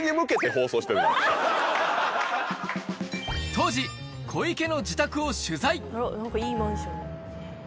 当時、小池の自宅を取材。